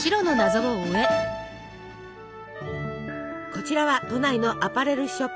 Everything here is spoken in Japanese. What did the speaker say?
こちらは都内のアパレルショップ。